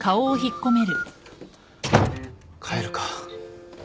帰るか。